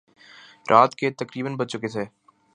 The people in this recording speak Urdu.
رات کے تقریبا بج چکے تھے